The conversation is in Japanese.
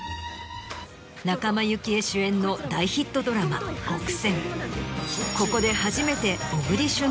仲間由紀恵主演の大ヒットドラマ『ごくせん』。